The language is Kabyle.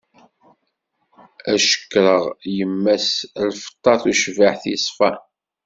Ad cekkreɣ yemma-s, lfeṭṭa tucbiḥt yeṣfan.